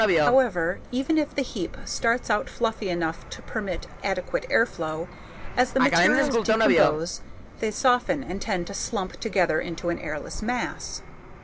However, even if the heap starts out fluffy enough to permit adequate airflow, as the materials decompose they soften and tend to slump together into an airless mass.